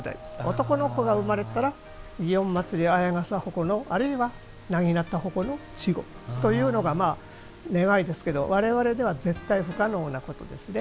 男の子が生まれたら祇園祭、綾傘鉾のあるいは長刀鉾の稚児というのが、まあ願いですけど我々では絶対不可能なことですね。